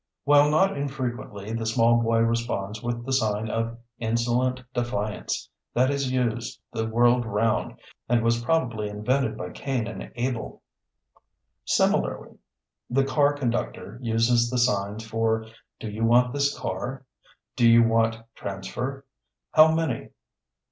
While not infrequently the small boy responds with the sign of "insolent defiance" that is used the world 'round, and was probably invented by Cain and Abel. Similarly, the car conductor uses the signs for "Do you want this car?" "Do you want transfer?" "How many?"